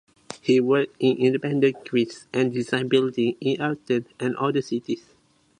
He worked in independent Greece and designed buildings in Athens and other cities.